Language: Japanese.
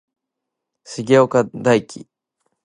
重岡大毅